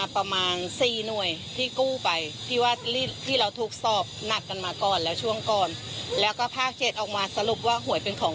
คำว่าขบวนการไม่ใช่เจ๊เกียวยืนยัน